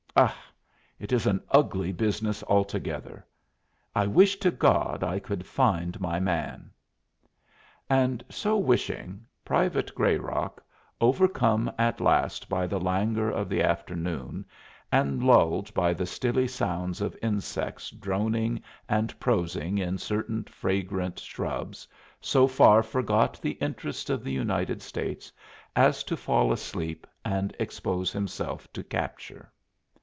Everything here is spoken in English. Ugh! it is an ugly business altogether. I wish to God I could find my man!" And so wishing, Private Grayrock, overcome at last by the languor of the afternoon and lulled by the stilly sounds of insects droning and prosing in certain fragrant shrubs, so far forgot the interests of the United States as to fall asleep and expose himself to capture.